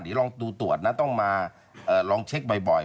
เดี๋ยวลองดูตรวจนะต้องมาลองเช็คบ่อย